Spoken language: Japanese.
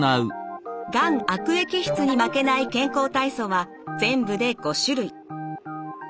がん悪液質に負けない健康体操は全部で５種類。